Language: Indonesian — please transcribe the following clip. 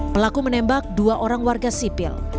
pelaku menembak dua orang warga sipil